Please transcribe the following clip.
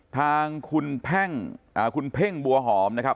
ทางคุณเพ้งคุณเพ้งบัวหอมนะครับ